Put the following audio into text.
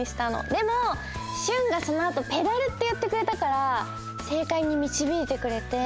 でもシュンがそのあと「ペダル」っていってくれたからせいかいにみちびいてくれて。